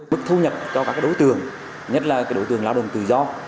mức thu nhập cho các đối tượng nhất là đối tượng lao động tự do